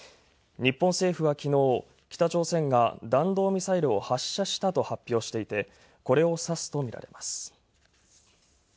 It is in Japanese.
日本政府はきのう、北朝鮮が弾道ミサイルを発射したと発表していて、これを指すとみられます。